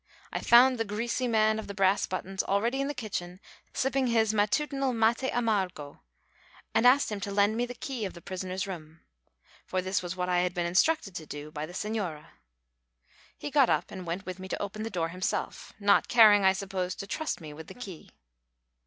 I found the greasy man of the brass buttons already in the kitchen sipping his matutinal maté amargo, and asked him to lend me the key of the prisoner's room; for this was what I had been instructed to do by the señora. He got up and went with me to open the door himself, not caring, I suppose, to trust me with the key.